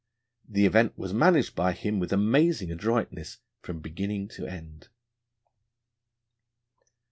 The event was managed by him with amazing adroitness from beginning to end.